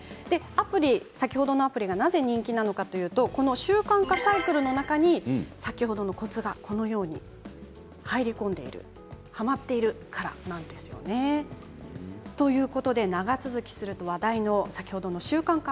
アプリ、先ほどのアプリがなぜ人気なのかというと習慣化サイクルの中に先ほどのコツがこのように入り込んでいる、はまっているからなんですよね。ということで長続きすると話題の先ほどの習慣化